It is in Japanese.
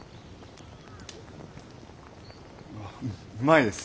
うまいです。